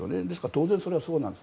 当然それはそうなんです。